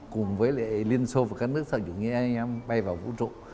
cùng với liên xô và các nước sở dụng nghiên anh em bay vào vũ trụ